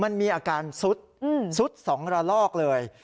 มันมีอาการซุดซุด๒ระลอกเลย